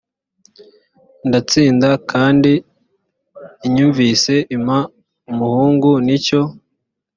ndatsinda kandi inyumviye impa umuhungu ni cyo